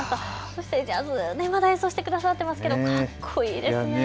そしてジャズ、まだ演奏してくださっていますけれどかっこいいですね。